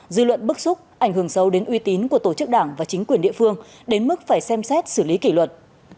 dư luận bức xúc ảnh hưởng sâu đến uy tín của tổ chức đảng và chính quyền địa phương đến mức phải xem xét xử lý kỷ luật